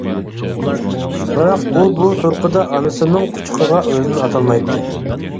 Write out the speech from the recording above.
بىراق، ئۇ بۇ تۇرقىدا ئانىسىنىڭ قۇچىقىغا ئۆزىنى ئاتالمايتتى.